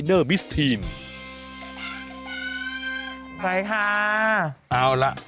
เอาล่ะ